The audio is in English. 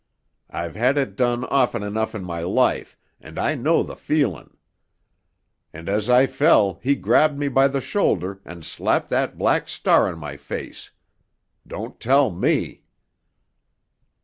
I've had it done often enough in my life, and I know the feelin'! And as I fell he grabbed me by the shoulder and slapped that black star on my face! Don't tell me!"